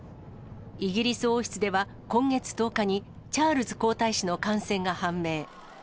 イギリス王室では、今月１０日に、チャールズ皇太子の感染が判明。